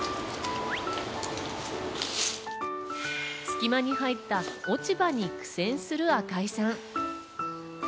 隙間に入った落ち葉に苦戦する赤井さん。